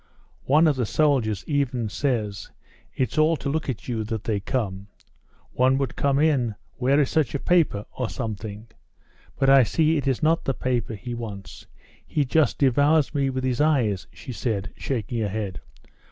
"One of the soldiers even says, 'It's all to look at you that they come.' One would come in, 'Where is such a paper?' or something, but I see it is not the paper he wants; he just devours me with his eyes," she said, shaking her head.